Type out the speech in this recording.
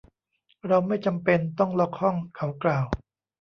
เราไม่จำเป็นต้องล็อคห้อง เขากล่าว